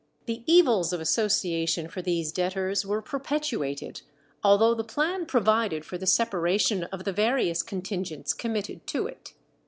The evils of association for these debtors were perpetuated, although the plan provided for the separation of the various contingents committed to it.